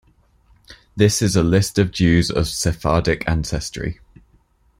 This is a list of Jews of Sephardic ancestry.